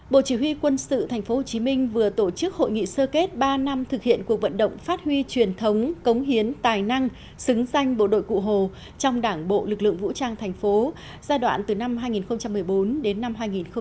bộ chỉ huy quân sự tp hcm vừa tổ chức hội nghị sơ kết ba năm thực hiện cuộc vận động phát huy truyền thống cống hiến tài năng xứng danh bộ đội cụ hồ trong đảng bộ lực lượng vũ trang tp giai đoạn từ năm hai nghìn một mươi bốn đến năm hai nghìn một mươi chín